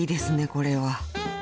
これは］